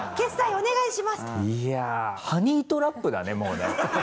ハニートラップだねもうね。